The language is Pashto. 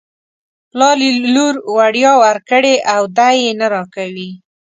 پلار یې لور وړيا ورکړې او دی یې نه راکوي.